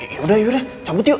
yaudah yaudah cabut yuk